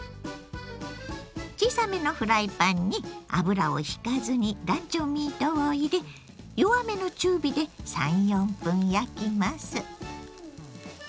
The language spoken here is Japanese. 小さめのフライパンに油をひかずにランチョンミートを入れ弱めの中火で３４分焼きます。